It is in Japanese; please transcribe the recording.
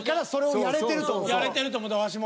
やれてると思ったワシも。